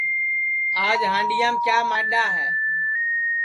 آج ھانڈؔیام کیا ماڈؔا ہے